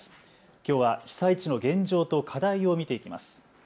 きょうは被災地の現状と課題を見ていきます。